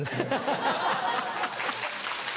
ハハハ！